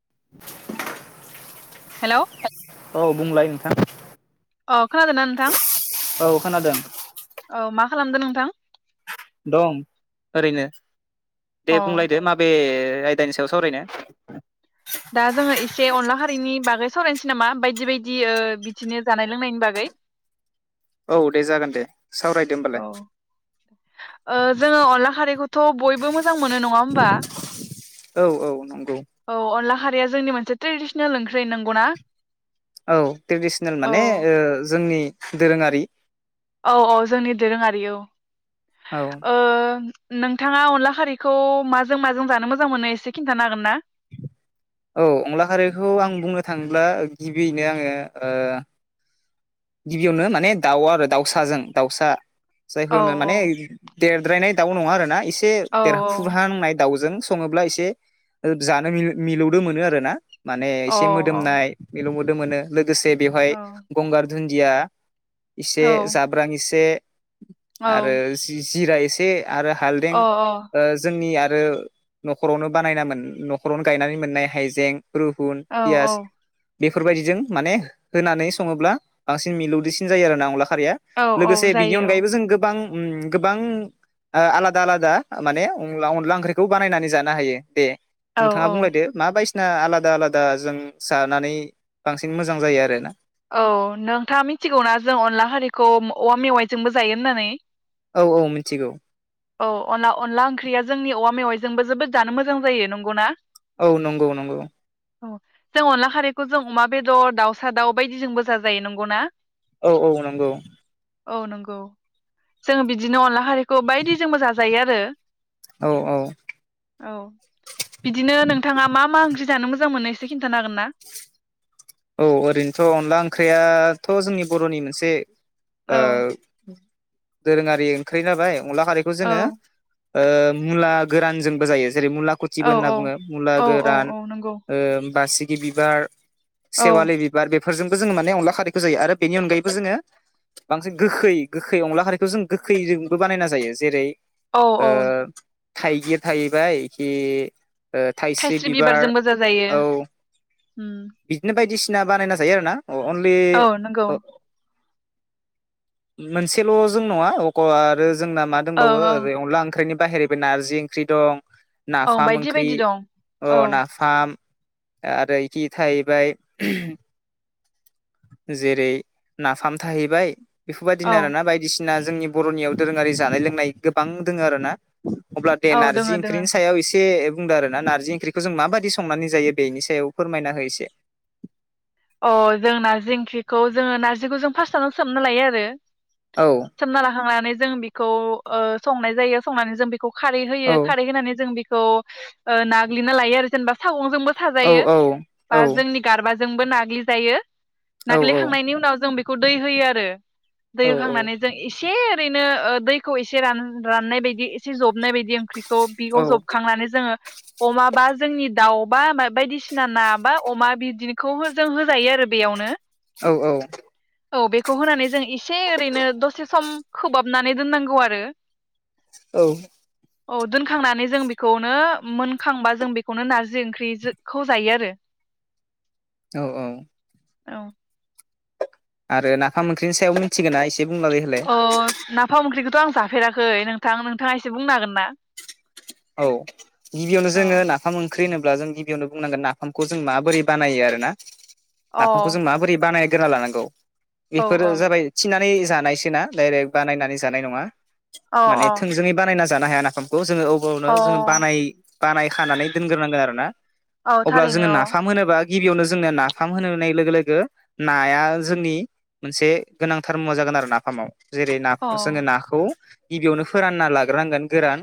[inaudible] Hello औ बुंलाय नोंथां अ खोनादोंना नोंथां? औ खोनादों औ मा खालामदो नोंथां? दं ओरैनो दे अ बुंलायदो माबे आयदानि सायाव सावरायनो दा जोङो एसे अनला खारैनि बाग गै सावरायनोसै नामा बायदि बायदि ओ बिदिनो जानाय लोंनायनि बागै? औ दे जागोन दे सावरायदो होमबालाय औ ओ जोङो अनला खारैखौथ' बयबो मोजां मोनो नङा होमबा? औ औ नंगौ औ अनला खार रैया जोंनि मोनसे ट्रेडिसिनेल ओंख्रि नांगौ ना? औ ट्रेडिसिनेल माने ओ जोंनि दोरोङारि औ औ जोंनि दोरोङारि औ औ ओ नोंथाङा अनला खारैखौ माजों माजों जानो मोजां मोनो एसे खिन्थानो हागोन ना? औ अनला खारैखौ आं बुंनो थाङोब्ला गिबियैनो आङो ओ गिबियावनो माने दाउ आरो दाउसाजों दाउसा जायखौ औ होनो माने देरद्रायनाय दाउ नङा आरोना इस से औ देरफुहां नाय दाउजों सङोब्ला एसे ओ जानो मिल मिलौदो मोनो आरो ना माने औ एसे औ मोदोमनाय मिलौद दो मोनो लोग गोसे बेवहाय औ गंगार दुन्दिया इसे जाब्रां इसे औ आरो जि-जिराय से । आरो हालदें औ ओ जोंनि आ आरो न'खरावनो बानायना मोन न'खरावनो गायनानै मोननाय हाइजें। रुगुन औ पियास औ बेफोरबायदिजों माने होनानै सङोब्ला बांसिन मिलौदोसिन जायो आरोना अनला खारिया औ औ लोगोसे बिनि जायो अनगायैबो जों गोबां गोबां आलादा आलादा माने अन अनला ओंख्रिखौ बानायनानै जानो हायो दे। औ नोंथाङा बुंलायदो मा बायस आलादा आलादा जों जानानै बांसिन मोजां जायो आरोना। औ नोंथाङा मिथिगौना जों अनला खारिखौ औवा मेवाइजोंबो जायो होननानै? औ औ मिथिगौ। औ अनला अनला ओंख्रिया जोंनि औवा मेवाइजोंबो जोबोद जानो मोजां जायो नंगौना? औ नंगौ नंगौ। जों अनला खारैखौ जों अमा बेदर दाउसा दाउ। बायदिजोंबो जायो नंगौना? औ औ नंगौ। औ नंगौ जोङो बिदिनो अनला खारिखौ बायदि जोंबो जाजायो आरो। औ औ बिदिनो नोंथाङा मा मा ओंख्रि जानो मोजां मोनो एसे खिन्थानो हागोनना? औ ओरैनोथ' अनला ओंख्रियाथ' जोंनि बर'नि मोनसे औ ओ दोरोङारि ओंख्रि जाबाय अनला खारैखौ औ जोङो ओ मुला गोरानजोंबो जायो। जेरै मुला खुथिबो औ होनना औ बुङो मुला औ औ गोरान औ नंगौ ओ बासि बिबार औ सेवालि बिबार बे बेफोरजोंबो जोङो माने अनला खारैखौ जायो आरो बेनि अनगायैबो जोङो बांसिन गोखै गोखै अनला खारैखौ जों गोखैजोंबो बानायना जायो जेरै औ औ ओ। थाइगिर थाहैबाय इखि ओ थाइस्रि बिबार बिबारजोंबो जाजायो औ। उम बिदिनो बायदिस सिना बानायना जायो आरोना। अनलि औ नंगौ मोनसेल' जों नङा अ आरो जोंना मा दंबाव ओं ओं ओै अनला ओंख्रिनि बाहेरैबो नारजि ओंख्रि दं। ओं नाफाम बायदि ओंख्रि बायदि दं अ औ नाफाम। आरोखि थाहैबाय जेरै नाफाम थाहैबाय औ बेफोरबायदिनो आरोना बायदिसिना जोंनि बर'नियाव दोरोङारि जानाय लोंनाय गोबां दों आरो ना। अब्ला दे औ नारजि दोङो दोङो ओंख्रिनि सायाव एसे बुंदों आरो ना नारजि ओंख्रिखौ जों माबाददि संनानै जायो बेनि सायाव फोरमायना होय एसे। अ जों नारजि ओंख्रिखौ जोंङो नारजिखौ जों फार्स्टआवनो सोमना लायो आरो औ सोमना लाखांनानै जों बेखौ संनाय जायो संनानै जों बे खौ खारै होयो औ खारै होनानै जों बे खौ नाग्लिना लायो आरो जेनेबा सागं जोंबो औ साजायो औ औ बा जोंनि गारबा जोंबो नाग ग्लि जायो। औ नाग्लिखांनायनि उनाव जों बे खौ दै होयो आरो दै औ होखांनानै जों इसे एसे ओरैनो दैखौ एसे राननाय बायदि एसे जब जबनाय बायदि ओंख्रिखौ बिगाव जबखांनानै जोंङो अमाबा जोंनि दाउबा बायदिसिना ना बा अमा बिद खौ जों होजायो आरो बेयावनो। औ औ औ बेखौ होनानै जों एसे ओरैनो दसे सम खहाबनानै दोननांगौ आरो औ औ दोनखांनानै जों बेखौनो मोनखांबा जों बेखौनो नारजि ओंख्रिखौ जायो आरो औ औ औ आरो नाफाम ओंख्रिनि सायाव मिथिगोना एस अ नाफाम ओंख्रिखौ थ' आं जाफेराखै नोंथां नोंथाङा एसे बुंनो हागोन ना? औ गिबियावनो अ जोंङो नाफाम ओंख्रि ख्रि होनोब्ला जों गिबियावनो बुंनांगोन नाफामखौ जों माबोरै बानायो आर ना नाफामखौ जों माबोरै बानाय गोना लानांगौ। औ बेफोरो जाबाय थिना नै जानायसो ना डायरेक्ट बा नायनानै जानाय नङा अ माने अ थोंजोङै बानायना‌ जानो हाया नाफामखौ जोङो औ बवनो जोङो अ बानाय बानाय खानानै दोनग्रोनांगोन आरो ना औ अब्ला थारैनो जोङो नाफाम होनोबा गिबियावनो जोंनो नाफाम होनो नाय लोगो लोगो नाया जोंनि मोनसे गोनांथार मुवा जागोन आरो नाफामाव। जेरै औ नाखौ जोङो नाखौ गिबियावनो फोरानना लाग्रोनांगोन गोरान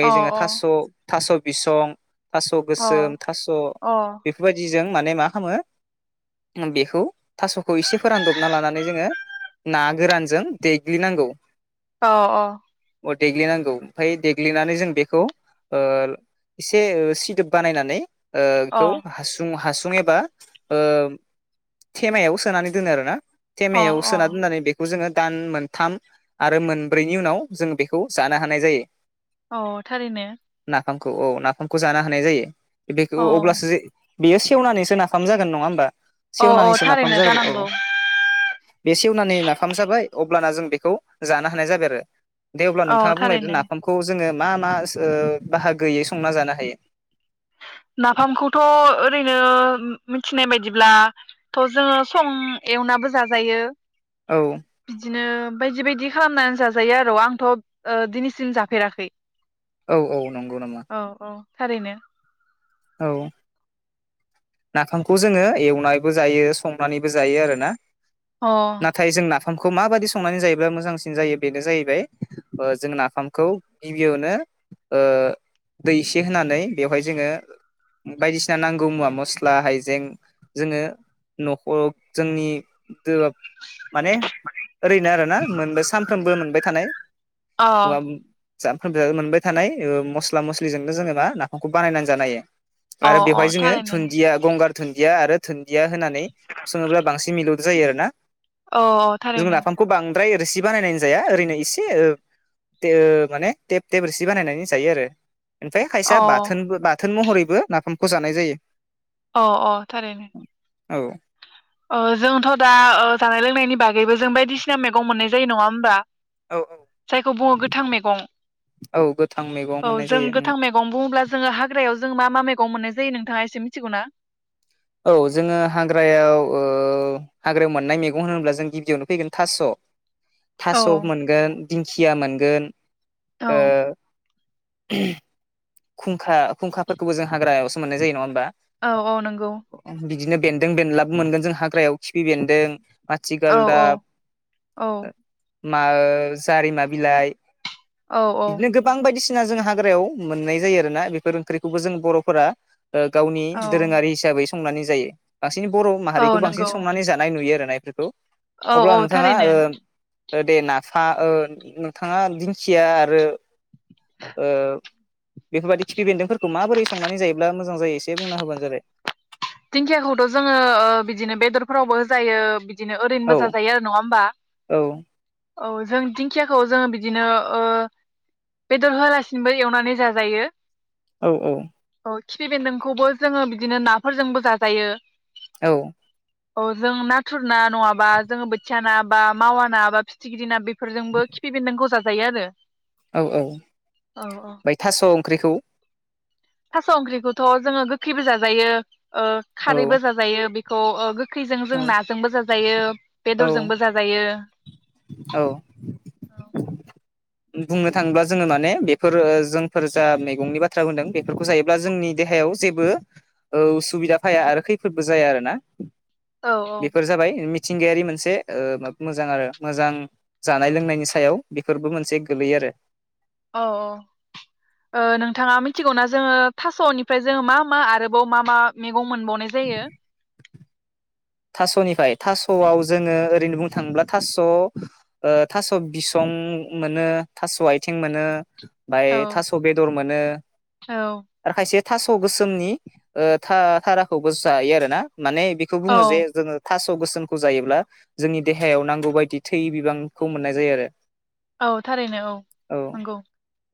औ जोङो थास'‌ थास' बिसं थास' अ गोसोम थास' अ बेफोरबायदि जों माने मा खालामो बेखौ थासखौ एसे फोरानदबना लानानै जोङो ना गोरानजों देग्लिनांगौ। अ अ अ देग्लिनांगौ ओमफाय देग‌ ग्लिनानै जों बेखौ ओ एसे सिदोब बानायनानै ओ खौ हासुं-हास सुं एबा ओ थेमायाव सोनानै दोनो आरो ना अ थेमायाव सोना दोननानै बेखौ जोङो दान मोनथाम आरो मोनब्रैनि उनाव जों बेखौ जानो हानाय जायो। औ थारैनो फामखौ औ नाफामखौ जानो हानाय जायो। बेखौ औ अब्लासो जे बेयो सेवनानैसो नफाम जागोन नङा होमबा औ औ सेवनानैसो नाफाम थारैनो जागो औ जानांगौ बे सेवनानै नाफाम जाबाय औ अब्लाना जों बेखौ जानो हानाय जाबाय आरो। दे अब्ला औ नोंथाङा बुंलायदो थारैनो नाफाम जोङो मा मा ओ बाहागोैयै संना जानो हायो‌? नाफामखौथ' ओरै ओ मिथिनाय बायदिब्लाथ' जोङो सं एवनाबो जाजायो औ बिदिनो बायदि बायदि खालामनानै जाजायो आरो आंथ' ओ दिनैसिम जाफेराखै औ औ नंगौ नामा औ औ थारैनो औ नाफामखौ जोङो एवनानैबो जायो संनानैबो जायो आरोना। अ नाथाय जों ना फामखौ माबादि संनानै जायोब्ला मोजांसिन जायो बेनो जाहैबाय ओह जों नाफामखौ गिबियावनो ओह दै एसे होनानै बेवहाय जोङो बायदिसिना नांगौ मुवा मसला प्ला हाइजें जोङो न'खग जोंनि दोवाब माने ओरैनो आरोना मोन सानफ्रोमबो मोनबाय थानाय अ जामफ्रोम जावोम मोनबाय थानाय ओह मस्ला मस्लिजोंनो जोङो मा नाफामखौ बानायनानै जानो हायो अ आरो अ बेवहाय जोङो थारैनो थुनद गंगार दुन्दिया आरो दुन्दिया होनानै सोङोब्ला बांसिन मिलौद जायो आरो ना अह थारैनो फ्राय रोसि बानायनानै जाया ओरैनो एसे ओह तो माने टेब टेब रोसि बानायनानै जायो आरो। ओमफ्राय अ खायसेया बाथोनबो बा थोन महरैबो नाफामखौ जानाय जायो। अ अ थारैनो औ। ओह जोंथ' दा ओह जानाय लोंनायनि बागैबो जों बायदिसिना मैगं मोननाय जायो नङा होमबा। औ औ जायखौ बुङो गोथां मैगं औ गोथां मैगं औ मोननाय जों जायो गोथां मैगं बुङोब्ला जोङो हाग्रायाव। जों मा मा मैगं मोननाय जायो नोंथाङा एसे मिथिगौ ना? औ जोङो हाग्रायाव ओह हाग्रायाव मोननाय मैगं होनोब्ला जों गिबियावनो फैगोन थास' औ थास' मोनगोन दिंखिया मोनगोन औ ओ खुंखा खुंखाफोरखौबो जों हाग्रायावसो मोननाय जायो नङा होमबा औ औ नोंगौ दिनो बेन्दों बेनलाबो मोनगोन जों हाग्रायाव खिफि बेन्दों औ औ माथिगालदाब ओ मा ओ जारिमा बिलाइ औ औ इदिनो गोबां बायदिसिन ना जों हाग्रायाव मोननाय जायो आरोना बेफोर ओंख्रिखौबो जों बर'फोरा ओह गावनि औ दोरोङारि हिसाबै [unintelligible] जायो [unintelligible] बर' माहारिखौ औ बांसिन नंगौ संनानै जानाय नुयो आरोना। [unintelligible] औ अब्ला औ नोंथाङा थारैनो ओम ओ दे नाफा ओ नोंथाङा दिंखिया आरो ओ बेफोरबायदि खिफि बेन्दोंफोरखौ माबोरै संनानै जायोब्ला [unintelligible] [unintelligible] जायो एसे बुंना होबानो जाबाय। दिंखियाखौथ' जोङो ओ बिदिनो बेदरफोरावबो होजायो [unintelligible] दिनो औ ओरैनबो जाजायो आरो नङा होमबा। औ औ जों दिंखियाखौ जोङो बिदिनो ओ बेदर होलासिनोबो एवनानै जाजायो। औ औ। औ खिफि बेन्दोंखौबो जोङो बिदिनो ना फोरजोंबो जाजायो। औ। औ जों नाथुर ना नङाबा जोङो बोथिया ना बा मावा ना बा फिथिग्रि ना बेफोरजोंबो खिफि बेन्दोंखौ जाजायो आरो। औ औ औ औ बाय थास' ओंख्रिखौ थास' ओंख्रिखौथ' जोङो गोखैबो जाजायो। ओ औ खारैबो जाजायो बे [unintelligible] [unintelligible] जों औ नाजोंबो जाजायो बेदरजोंबो जाजायो औ। बुंनो थाङोब्ला जोङो माने बेफोरो जोंफोर जा मैगंनि बाथ्रा बुंदों बेफोरखौ जायोब्ला जोंनि देहायाव जेबो ओ उसुबिदा फाया आरो खैफोदबो जाया आरोना। औ बेफोर जाबाय [unintelligible] मिथिंगायारि मोनसे ओ माब मोजां आरो मोजां जानाय लोंनायनि सायाव बेफोरबो मोनसे गोलैयो आरो। औ औ ओ नोंथाङा मिथिगौना जोङो थास'निफ्राय जोङो मा मा आरोबाव मा मा [unintelligible] [unintelligible] मोनबावनाय जायो? थास'निफाय थास'आव जोङो ओरैनो बुंनो थाङोब्ला थास' ओ थास' बिसं मोनो थास' आइथिं मोनो। बाय औ थास' बेदर मोनो औ आरो खायसे थास' गोसोमनि ओ था -थाराखौबो जायो आरो ना। माने बेखौ औ बुङो जे जोङो थास' [unintelligible] गोसोमखौ जायोब्ला जोंनि देहायाव नांगौ बायदि थै बिबांखौ मोननाय जायो आरो। औ थारैनो औ नंगौ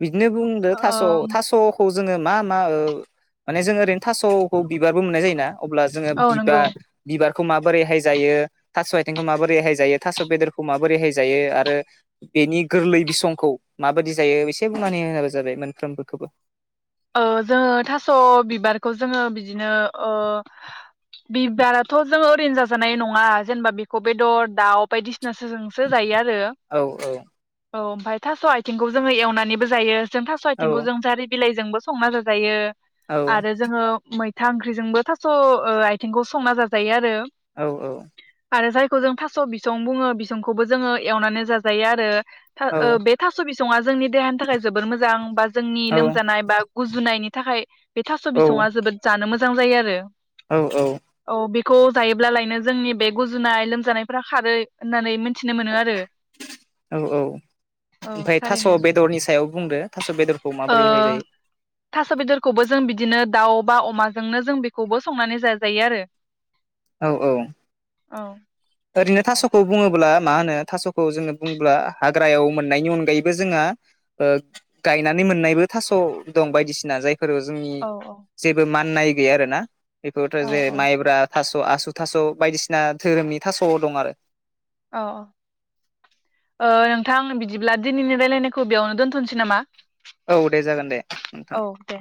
बिदिनो बुंदो थास' ओ थास'खौ जोङो मा मा ओ माने जोङो ओरैनो थास'खौ बिबारबो मोननाय जायोना अब्ला जोङो औ बिबा नंगौ बिबारखौ माबोरैहाय जायो थास' आइथेंखौ माबोरैहाय जायो थास' बेदरखौ माबोरैहाय जायो आरो बेनि गोरलै बिसंखौ माबादि जायो बिसे बुंनानै [unintelligible] जाबाय मोनफ्रोमखौबो ओ जोङो थास' बिबारखौ जोङो बिदिनो ओ बिबाराथ' जोङो ओरैनो जाजानाय नङा जेनबा बिखौ बेदर दाउ बायदिस [unintelligible] सोजोंसो जायो आरो औ औ ओमफाय थास' आइथिंखौ जोङो एवनानैबो जायो जों थास' औ आथिंखौ जों जारि बिलाइ जोंबो संना जाजायो औ आरो जोङो मै था ओंख्रिजोंबो थास' ओ आइथेंखौ संना जाजायो आरो औ औ आरो जायखौ जों थास बिसं बुङो बिसंखौबो जोङो एवनानै जाजायो आरो था औ ओ बे थास' बिसङा जोंनि देहानि थाखाय जोबोर मोजां बा जोंनि औ लोमजानाय बा गुजुनायनि थाखाय बे थास' बिसङा जोबोद जानो मोज जां जायो आरो औ औ खौ जायोब्लालायनो जोंनि बे गुजुनाय लोमजानायफ्रा खारो होननानै मोन ‌ औ औ औ ओमफ्राय थास' थारैनो बेदरनि सायाव बुंदो थास' बेदरखौ ओ माबोरैहाय जायो थास' बेदरखौबो जों बिदिनो दाउ बा अमाजोंनो जों बेखौबो संनानै जाजायो आरो औ औ औ ओरैनो थास'खौ बुङोबोला मा होनो थास'खौ जोङो बुंब्ला हाग्रायाव मोननायनि अनगायैबो जोङा ओ गायनानै मोननायबो थास' दं बायदिसिना जाय फोरो जोंनि औ जेबो मा नाय गैया आरोना बेखौथ' औ जे औ माइब्रा थास आसु थास' बायदिसिना धोरोमनि थास' दं आरो औ अ ओ नोंथां बिदिब्ला दिनैनि रायलायनायखौ बेयावनो दोनथ'नोसै नामा औ दे जागोन दे नोंथां औ दे